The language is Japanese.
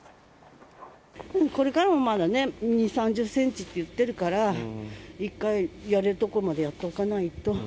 これからもまだね、２、３０センチって言ってるから、一回やれるところまでやっておかないと。